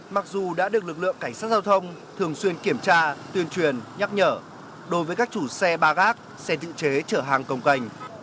mặc dù đã được lực lượng cảnh sát giao thông thường xuyên kiểm tra tuyên truyền nhắc nhở đối với các chủ xe ba gác xe tự chế chở hàng công cành